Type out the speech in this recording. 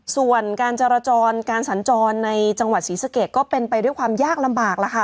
ส่วนการจราจรการสัญจรในจังหวัดศรีสะเกดก็เป็นไปด้วยความยากลำบากแล้วค่ะ